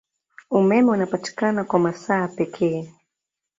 Umeme unapatikana kwa masaa pekee.